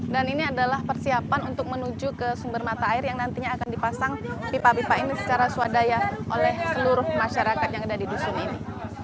dan ini adalah persiapan untuk menuju ke sumber mata air yang nantinya akan dipasang pipa pipa ini secara swadaya oleh seluruh masyarakat yang ada di dusun ini